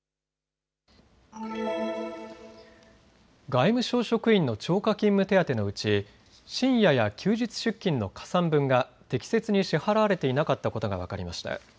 外務省職員の超過勤務手当のうち深夜や休日出勤の加算分が適切に支払われていなかったことが分かりました。